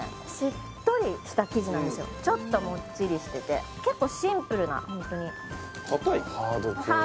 しっとりした生地なんですよちょっともっちりしてて結構シンプルなホントにかたいの？